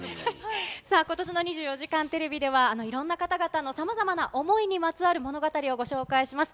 ことしの２４時間テレビでは、いろんな方々のさまざまな想いにまつわる物語をご紹介します。